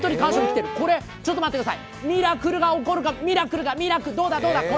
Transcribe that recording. これ、ちょっと待ってください、ミラクルが起こるか、ミラクルどうだ、どうだ？